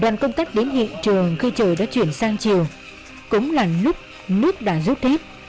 đoàn công tắc đến hiện trường khi trời đã chuyển sang chiều cũng là lúc nước đã rút tiếp